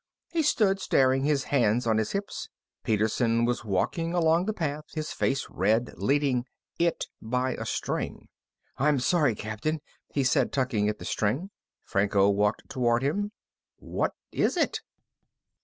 He stood staring, his hands on his hips. Peterson was walking along the path, his face red, leading it by a string. "I'm sorry, Captain," he said, tugging at the string. Franco walked toward him. "What is it?"